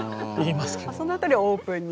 その辺りはオープンに。